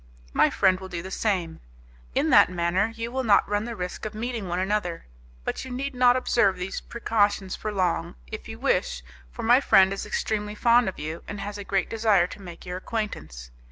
My friend will do the same. In that manner you will not run the risk of meeting one another, but you need not observe these precautions for long, if you wish, for my friend is extremely fond of you, and has a great desire to make your acquaintance.